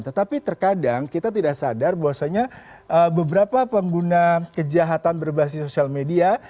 tetapi terkadang kita tidak sadar bahwasanya beberapa pengguna kejahatan berbasis sosial media